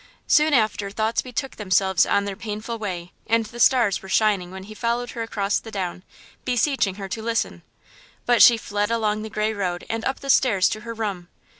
Soon after thoughts betook themselves on their painful way, and the stars were shining when he followed her across the down, beseeching her to listen. But she fled along the grey road and up the stairs to her room.